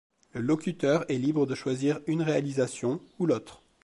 Le locuteur est libre de choisir une réalisation ou l'autre.